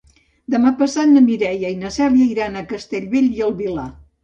Demà passat na Mireia i na Cèlia iran a Castellbell i el Vilar.